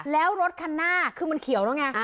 แล้วรถคันหน้าคือมันเขียวแล้วไง